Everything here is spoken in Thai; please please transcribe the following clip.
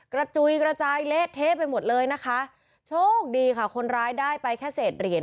กระจุยกระจายเละเทะไปหมดเลยนะคะโชคดีค่ะคนร้ายได้ไปแค่เศษเหรียญ